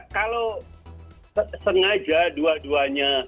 kalau sengaja dua duanya